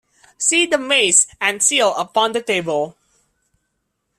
See the mace and seal upon the table.